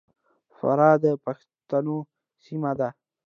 فراه د پښتنو سیمه ده.